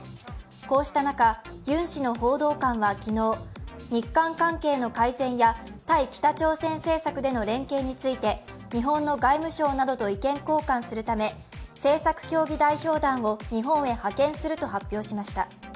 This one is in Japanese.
こうした中、ユン氏の報道官は昨日日韓関係の改善や対北朝鮮政策での連携について、日本の外務省などと意見交換するため政策協議代表団を日本へ派遣すると発表しました。